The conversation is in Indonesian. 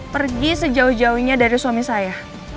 pergi sejauh jauhnya dari suami saya